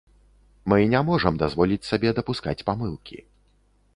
Мы не можам дазволіць сабе дапускаць памылкі.